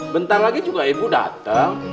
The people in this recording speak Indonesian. bentar lagi juga ibu datang